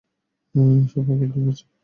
এসব পাগলদের মিছিল।